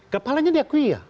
kepalanya diakui ya